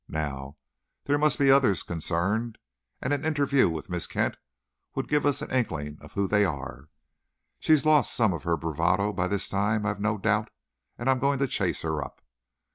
Now, there must be others concerned, and an interview with Miss Kent would give us an inkling of who they are. She's lost some of her bravado, by this time, I've no doubt, and I'm going to chase her up.